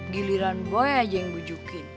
giliran boy aja yang bujukin